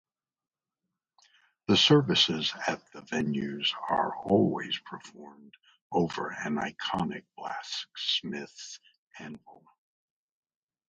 The services at all the venues are always performed over an iconic blacksmith's anvil.